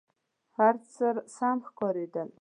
هر څه سم ښکارېدل.